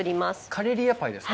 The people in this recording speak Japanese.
カレリアパイですか。